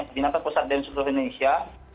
pembinatan pusat bem seluruh indonesia